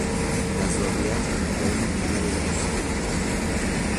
جذابیت امتیاز عمدهی اوست.